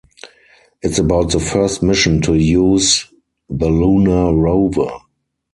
It’s about the first mission to use the lunar rover.